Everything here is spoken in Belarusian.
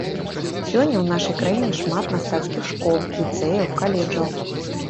Сёння ў нашай краіне шмат мастацкіх школ, ліцэяў, каледжаў.